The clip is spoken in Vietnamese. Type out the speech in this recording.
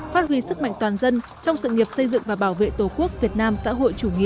phát huy sức mạnh toàn dân trong sự nghiệp xây dựng và bảo vệ tổ quốc việt nam xã hội chủ nghĩa